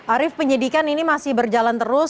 arief penyidikan ini masih berjalan terus